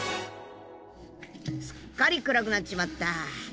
すっかり暗くなっちまった。